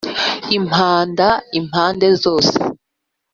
impanda impande zose